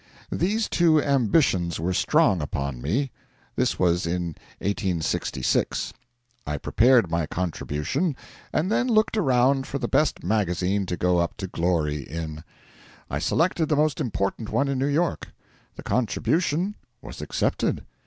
These two ambitions were strong upon me. This was in 1866. I prepared my contribution, and then looked around for the best magazine to go up to glory in. I selected the most important one in New York. The contribution was accepted.